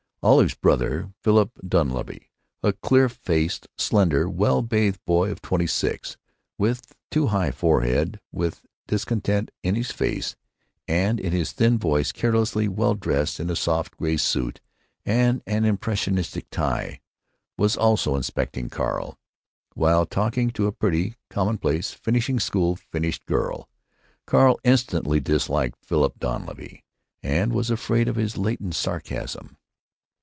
Olive's brother, Philip Dunleavy, a clear faced, slender, well bathed boy of twenty six, with too high a forehead, with discontent in his face and in his thin voice, carelessly well dressed in a soft gray suit and an impressionistic tie, was also inspecting Carl, while talking to a pretty, commonplace, finishing school finished girl. Carl instantly disliked Philip Dunleavy, and was afraid of his latent sarcasm.